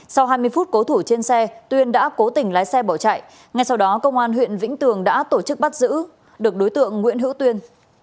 sau hai mươi phút cố thủ trên xe tuyên đã cố tình lái xe bỏ chạy ngay sau đó công an huyện vĩnh tường đã tổ chức bắt giữ được đối tượng nguyễn hữu tuyên